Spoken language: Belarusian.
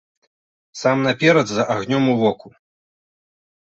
Сам наперад з агнём ў воку.